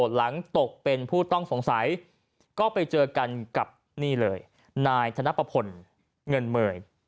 หลังตกเป็นผู้ต้องสงสัยก็ไปเจอกันกับนี่เลยนายธนปพลเงินเมย